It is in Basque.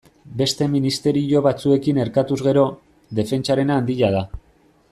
Beste ministerio batzuekin erkatuz gero, defentsarena handia da.